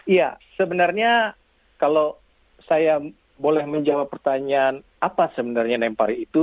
ya sebenarnya kalau saya boleh menjawab pertanyaan apa sebenarnya lempar itu